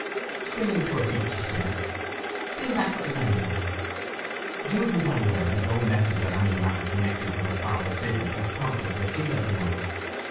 Springing to her feet, she said: "Bring back what is lying there." Jude was now aware that no message on any matter connected with her father's business had prompted her signal to him.